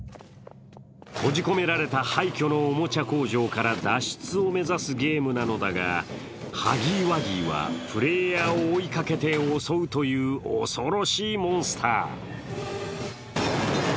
閉じ込められた廃虚のおもちゃ工場から脱出を目指すゲームなのだが、ハギーワギーはプレーヤーを追いかけて襲うという恐ろしいモンスター。